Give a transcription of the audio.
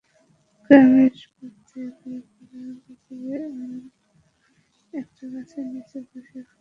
গ্রামের পথে ঘুরেফিরে দুপুরে একটা গাছের নিচে বসে সবার খাবার একত্র করি।